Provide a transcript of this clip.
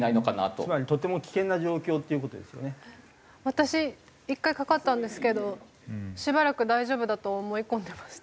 私１回かかったんですけどしばらく大丈夫だと思い込んでました。